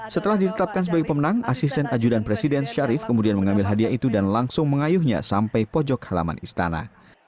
setelah ditetapkan sebagai pemenang asisten ajudan presiden syarif kemudian mengambil hadiah itu dan langsung mengayuhnya sampai pojok halaman istana